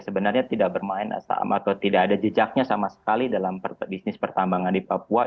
sebenarnya tidak bermain atau tidak ada jejaknya sama sekali dalam bisnis pertambangan di papua